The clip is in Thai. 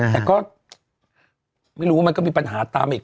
แต่ก็ไม่รู้ว่ามันก็มีปัญหาตามอีก